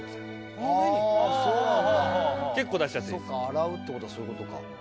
洗うってことはそういうことか。